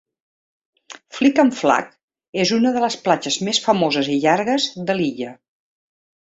Flic en Flac és una de les platges més famoses i llargues de l'illa.